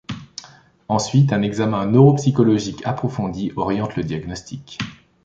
Ensuite, un examen neuropsychologique approfondi oriente le diagnostic.